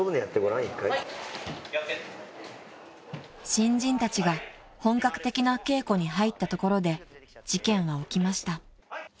［新人たちが本格的な稽古に入ったところで事件は起きました］